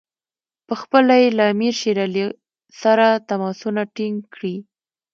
پخپله یې له امیر شېر علي سره تماسونه ټینګ کړي.